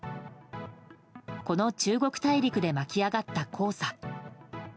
この中国大陸で巻き上がった黄砂。